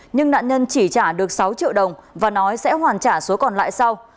nhưng nạn nhân chỉ trả được sáu triệu đồng và nói sẽ hoàn trả số còn lại sau